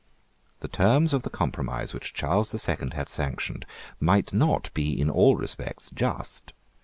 The terms of the compromise which Charles the Second had sanctioned might not be in all respects just.